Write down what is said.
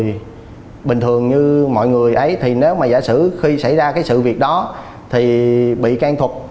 vì bình thường như mọi người ấy thì nếu mà giả sử khi xảy ra cái sự việc đó thì bị can thuộc